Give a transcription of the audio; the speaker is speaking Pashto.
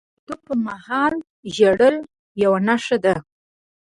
د زیږېدلو پرمهال ژړل یوه نښه ده.